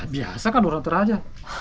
biasa kan orang utara aja